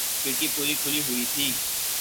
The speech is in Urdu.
کھڑکی پوری کھلی ہوئی تھی